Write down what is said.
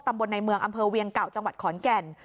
ตำบลในเมืองอำเภอเวียงเก่าจังหวัดขอนแก่น